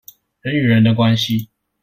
人與人的關係